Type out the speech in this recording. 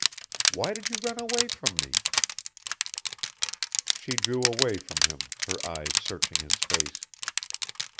"Why did you run away from me?" She drew away from him, her eyes searching his face.